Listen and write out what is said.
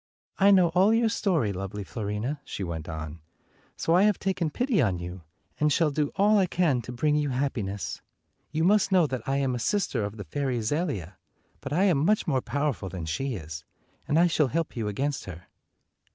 "I know all your story, lovely Fiorina," she went on, "so I have taken pity on you, and shall do all I can to bring you happiness. You must know that I am a sister of the fairy Zelia, but I am much more powerful than she is, and I shall help you against her."